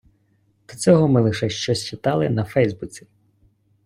До цього ми лише щось читали на фейсбуці.